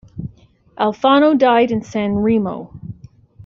Alfano died in San Remo.